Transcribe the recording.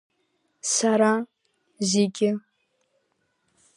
Сара, зегьы…